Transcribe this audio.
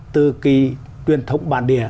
từ cái truyền thống bản địa